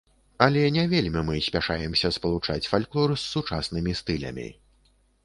Але не вельмі мы спяшаемся спалучаць фальклор з сучаснымі стылямі.